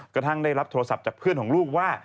กระทั่งได้รับโทรศัพท์จากเพื่อนของลูกว่า